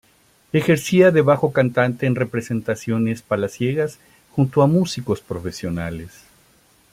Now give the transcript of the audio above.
Ejercía de bajo cantante en representaciones palaciegas junto a músicos profesionales.